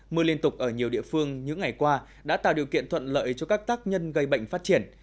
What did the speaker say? mưa liên tục ở nhiều địa phương những ngày qua đã tạo điều kiện thuận lợi cho các tác nhân gây bệnh phát triển